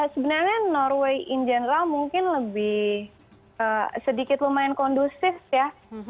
sebenarnya norway in general mungkin lebih sedikit lumayan kondusif ya